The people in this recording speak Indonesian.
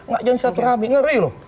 gak jalanin satu rame ngeri loh